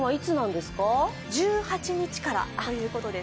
１８日からということです。